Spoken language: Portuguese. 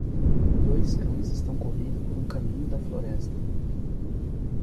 Dois cães estão correndo por um caminho da floresta.